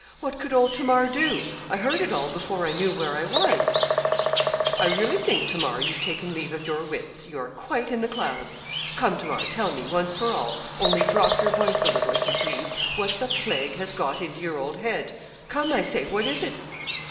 What could old Tamar do? I heard it all before I knew where I was.' 'I really think, Tamar, you've taken leave of your wits you are quite in the clouds. Come, Tamar, tell me, once for all only drop your voice a little, if you please what the plague has got into your old head. Come, I say, what is it?'